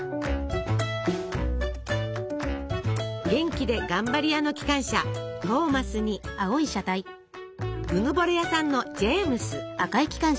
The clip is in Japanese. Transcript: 元気で頑張り屋の機関車「トーマス」にうぬぼれ屋さんの「ジェームス」。